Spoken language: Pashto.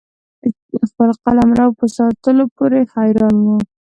خپل قلمرو په ساتلو پوري حیران وو.